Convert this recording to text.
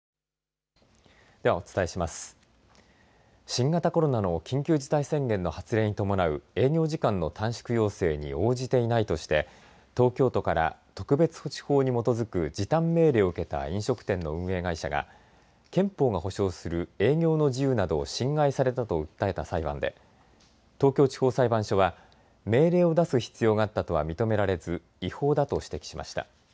新型コロナの緊急事態宣言の発令に伴う営業時間の短縮要請に応じていないとして東京都から特別措置法に基づく時短命令を受けた飲食店の運営会社が憲法が保障する営業の自由などを侵害されたと訴えた裁判で東京地方裁判所は命令を出す必要があったとは認められず違法だと指摘しました。